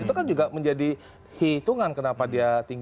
itu kan juga menjadi hitungan kenapa dia tinggi